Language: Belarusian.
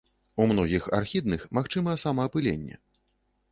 У многіх архідных магчыма самаапыленне.